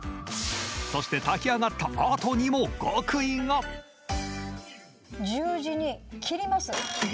そして炊きあがったあとにも極意が十字に切ります。